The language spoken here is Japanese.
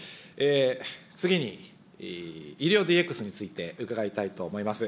次に、医療ＤＸについて伺いたいと思います。